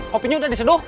kopinya udah diseduh